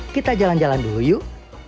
kita jalan jalan dulu yuk